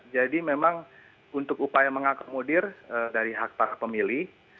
jadi memang untuk upaya mengakomodir dari hak para pemilih